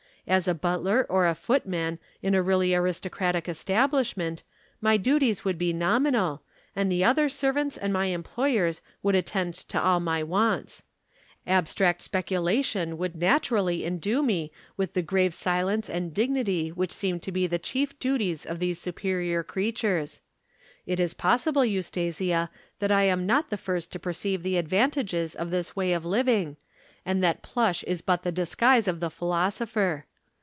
As a butler or a footman in a really aristocratic establishment, my duties would be nominal, and the other servants and my employers would attend to all my wants. Abstract speculation would naturally indue me with the grave silence and dignity which seem to be the chief duties of these superior creatures. It is possible, Eustasia, that I am not the first to perceive the advantages of this way of living and that plush is but the disguise of the philosopher.